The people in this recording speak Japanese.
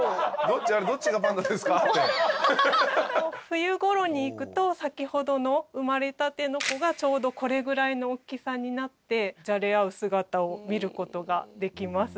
冬頃に行くと先ほどの生まれたての子がちょうどこれぐらいの大きさになってじゃれ合う姿を見る事ができます。